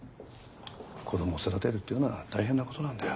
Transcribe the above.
子供を育てるっていうのは大変なことなんだよ。